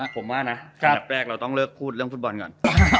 ผมว่านะอันดับแรกเราต้องเลิกพูดเรื่องฟุตบอลก่อน